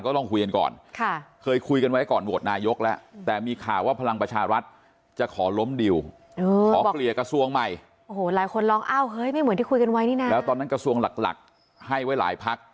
ตอนนั้นกระทรวงหลักให้ไว้หลายพัก